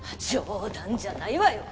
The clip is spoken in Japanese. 冗談じゃないわよ！